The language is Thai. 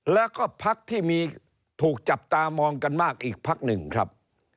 แล้วก็พักที่มีถูกจับตามองกันมากอีกพักหนึ่งครับ